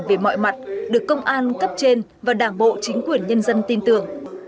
về mọi mặt được công an cấp trên và đảng bộ chính quyền nhân dân tin tưởng